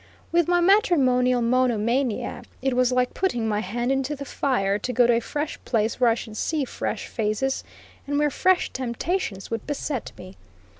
With my matrimonial monomania it was like putting my hand into the fire to go to a fresh place, where I should see fresh faces, and where fresh temptations would beset me.